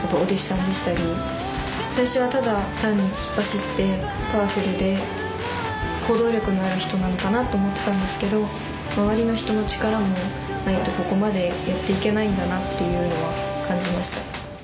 最初はただ単に突っ走ってパワフルで行動力のある人なのかなと思ってたんですけど周りの人の力もないとここまでやっていけないんだなっていうのは感じました。